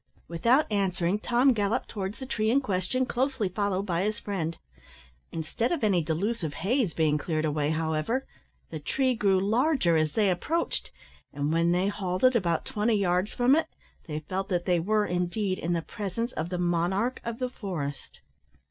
Without answering, Tom galloped towards the tree in question, closely followed by his friend. Instead of any delusive haze being cleared away, however, the tree grew larger as they approached, and when they halted about twenty yards from it, they felt that they were indeed in the presence of the monarch of the forest.